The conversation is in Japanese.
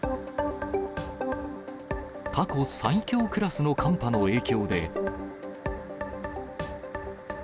過去最強クラスの寒波の影響